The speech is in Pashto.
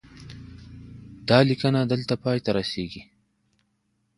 دا لیکنه دلته پای ته رسیږي.